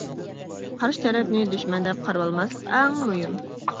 قارشى تەرەپنى دۈشمەن دەپ قارىۋالماسلىق ئەڭ مۇھىم.